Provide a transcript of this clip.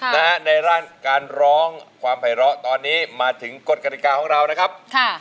นะฮะในร่างการร้องความไพร้อตอนนี้มาถึงกฎกฎิกาของเรานะครับค่ะ